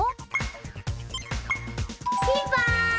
ピンポーン！